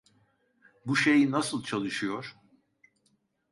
Bu şey nasıl çalışıyor?